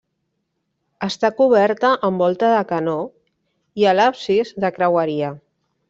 Està coberta amb volta de canó i a l'absis, de creueria.